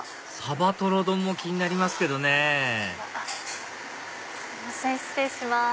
鯖とろ丼も気になりますけどね失礼します。